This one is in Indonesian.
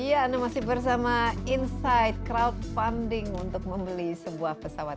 iya anda masih bersama insight crowdfunding untuk membeli sebuah pesawat